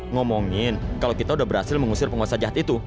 ngomongin kalau kita udah berhasil mengusir penguasa jahat itu